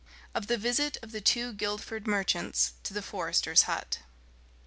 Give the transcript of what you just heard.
Of the Visit of the Two Guildford Merchants to the Forester's Hut.